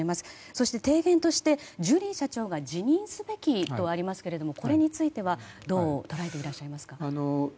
そして提言としてジュリー社長が辞任すべきとありますがこれについてはどう捉えていらっしゃいますか？